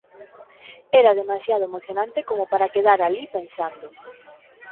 era demasiado emocionante como para quedar alí pensando.